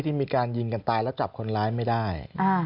ที่มีการยิงกันตายแล้วจับคนร้ายไม่ได้